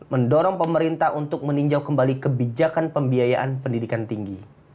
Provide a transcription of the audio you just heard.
mendorong pemerintah untuk meninjau kembali kebijakan pembiayaan pendidikan tinggi